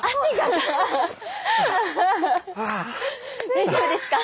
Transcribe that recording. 大丈夫ですか？